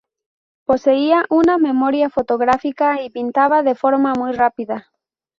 Poseía una memoria fotográfica y pintaba de forma muy rápida.